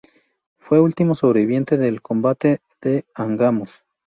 Fue último sobreviviente del combate de Angamos.